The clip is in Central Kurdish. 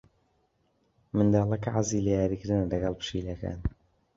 منداڵەکە حەزی لە یاریکردنە لەگەڵ پشیلەکان.